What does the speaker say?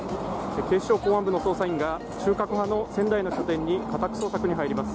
警視庁公安部の職員が中核派の仙台の拠点に家宅捜査に入ります。